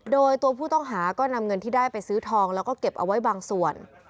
โดยตัวผู้ต้องหาก็นำเงินที่ได้ไปซื้อทองแล้วก็เก็บเอาไว้บางส่วน